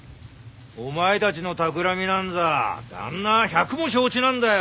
お前たちのたくらみなんざ旦那は百も承知なんだよ！